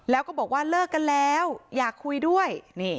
แล้วก็บอกว่าเลิกกันแล้วอยากคุยด้วย